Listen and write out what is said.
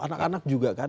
anak anak juga kan